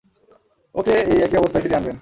ওকে এই একই অবস্থায় ফিরিয়ে আনবেন।